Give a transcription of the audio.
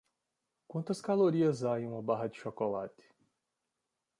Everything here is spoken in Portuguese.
Quantas calorias há em uma barra de chocolate?